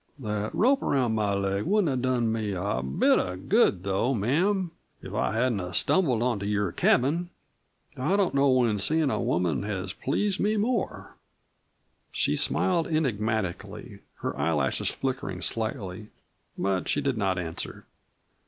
"That rope around my leg wouldn't have done me a bit of good though, ma'am, if I hadn't stumbled onto your cabin. I don't know when seein' a woman has pleased me more." She smiled enigmatically, her eyelashes flickering slightly. But she did not answer.